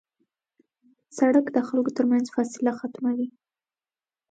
سړک د خلکو تر منځ فاصله ختموي.